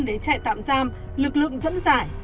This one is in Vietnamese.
để chạy tạm giam lực lượng dẫn giải